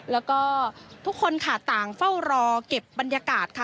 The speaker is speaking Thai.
แล้วก็ทุกคนค่ะต่างเฝ้ารอเก็บบรรยากาศค่ะ